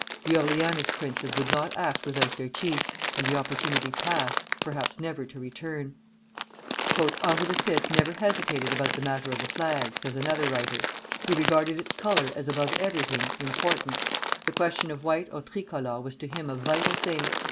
The Orleanist princes would not act without their chief, and the opportunity passed, perhaps never to return." "Henri V. never hesitated about the matter of the flag," says another writer. "He regarded its color as above everything important. The question of white or tricolor was to him a vital thing.